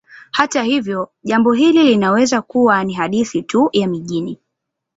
Hata hivyo, jambo hili linaweza kuwa ni hadithi tu ya mijini.